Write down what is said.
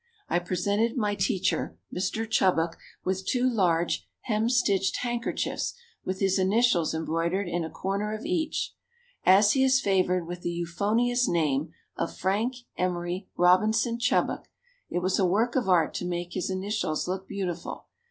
I presented my teacher, Mr. Chubbuck, with two large hemstitched handkerchiefs with his initials embroidered in a corner of each. As he is favored with the euphonious name of Frank Emery Robinson Chubbuck it was a work of art to make his initials look beautiful.